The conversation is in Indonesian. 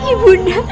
begitulah nih mas